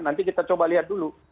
nanti kita coba lihat dulu